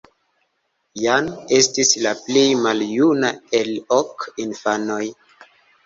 Jan estis la plej maljuna el ok infanoj.